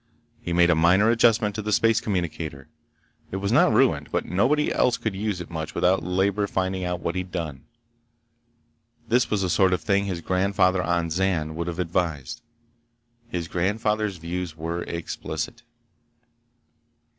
He made a minor adjustment to the space communicator. It was not ruined, but nobody else could use it without much labor finding out what he'd done. This was the sort of thing his grandfather on Zan would have advised. His grandfather's views were explicit.